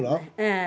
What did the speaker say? ええ。